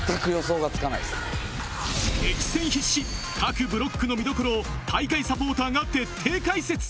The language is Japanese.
激戦必至各ブロックの見どころを大会サポーターが徹底解説！